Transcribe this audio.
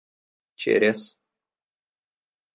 через